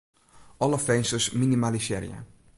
Alle finsters minimalisearje.